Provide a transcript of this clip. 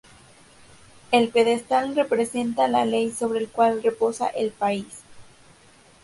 El pedestal representa la ley sobre la cual reposa el país.